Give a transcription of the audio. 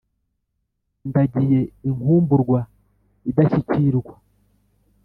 ndagiye inkumburwa idashyikirwa